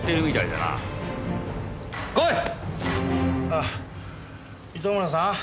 ああ糸村さん？